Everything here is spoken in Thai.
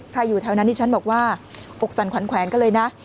ใครอยู่แถวนั้นนี่ฉันบอกว่าอกสันขวัญก็เลยนะ